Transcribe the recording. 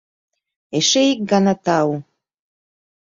Эше ик гана тау.